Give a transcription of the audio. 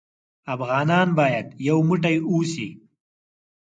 افغانان بايد يو موټى اوسې.